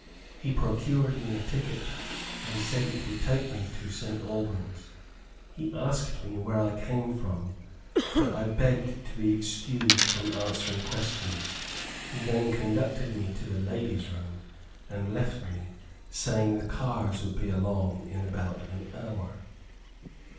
He procured me a ticket, and said it would take me to St. Albans. He asked me where I came from, but I begged to be excused from answering questions. He then conducted me to the ladies room, and left me, saying the cars would be along in about an hour.